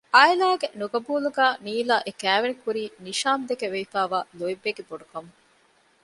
އާއިލާގެ ނުޤަބޫލުގައި ނީލާ އެ ކައިވެނި ކުރީ ނިޝާމްދެކެ ވެވިފައިވާ ލޯތްބެއްގެ ބޮޑުކަމުން